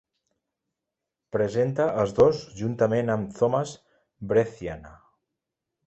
Presenta els dos juntament amb Thomas Brezina.